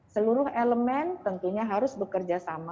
seluruh elemen tentunya harus bekerja sama